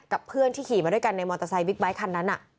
เพื่อนที่ขี่มาด้วยกันในมอเตอร์ไซค์บิ๊กไบท์คันนั้น